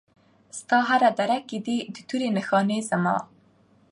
ستا هره دره کې دي د تورو نښانې زما